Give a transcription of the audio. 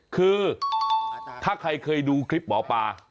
คือถ้าใครเคยดูคลิปหมอปลา